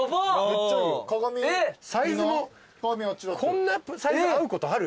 こんなサイズ合うことある？